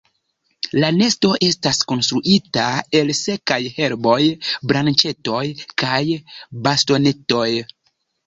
La nesto estas konstruita el sekaj herboj, branĉetoj kaj bastonetoj.